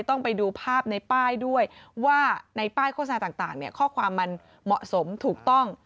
ต้องไปดูภาพในป้ายด้วยว่าในป้ายโฆษณาต่างข้อความมันเหมาะสมถูกต้อง